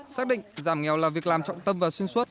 xác định giảm nghèo là việc làm trọng tâm và xuyên suốt